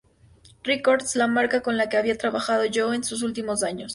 Records, la marca con la que había trabajado John en sus últimos años.